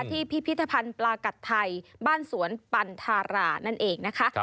พิพิธภัณฑ์ปลากัดไทยบ้านสวนปันทารานั่นเองนะคะ